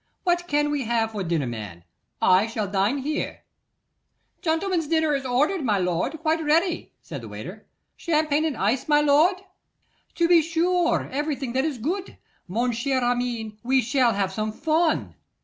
What can we have for dinner, man? I shall dine here.' 'Gentleman's dinner is ordered, my lord; quite ready,' said the waiter. 'Champagne in ice, my lord?' 'To be sure; everything that is good. Mon cher Armine, we shall have some fun.